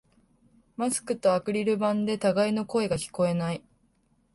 マスクとアクリル板で互いの声が聞こえない